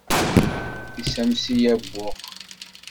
Issames-iyi abux.